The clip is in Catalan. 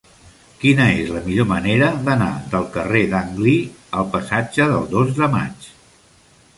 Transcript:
Quina és la millor manera d'anar del carrer d'Anglí al passatge del Dos de Maig?